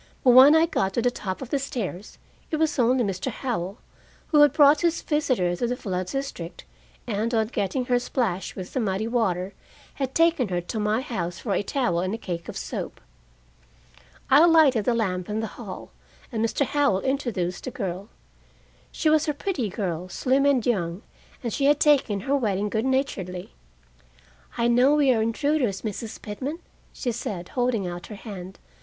But when I got to the top of the stairs, it was only Mr. Howell, who had brought his visitor to the flood district, and on getting her splashed with the muddy water, had taken her to my house for a towel and a cake of soap. I lighted the lamp in the hall, and Mr. Howell introduced the girl. She was a pretty girl, slim and young, and she had taken her wetting good naturedly. "I know we are intruders, Mrs. Pitman," she said, holding out her hand.